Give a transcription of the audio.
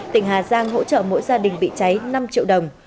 tỉnh hà giang hỗ trợ mỗi gia đình bị cháy năm triệu đồng